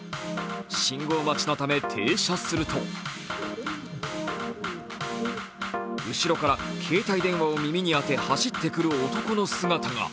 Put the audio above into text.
信号待ちのため停車すると後ろから携帯電話を耳に当て走ってくる男の姿が。